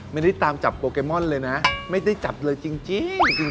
ไม่ได้จับเลยจริง